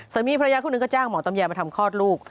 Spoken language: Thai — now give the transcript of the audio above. สามีภรรยาคู่หนึ่งก็จ้างหมอตำแยมาทำคลอดลูก